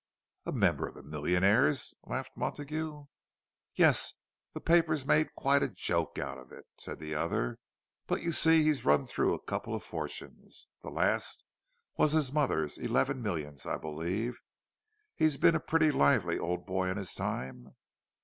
"A member of the Millionaires'?" laughed Montague. "Yes, the papers made quite a joke out of it," said the other. "But you see he's run through a couple of fortunes; the last was his mother's—eleven millions, I believe. He's been a pretty lively old boy in his time."